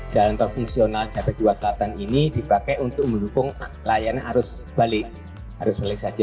jalan tol fungsional jabet dua selatan ini dipakai untuk mendukung layanan arus balik saja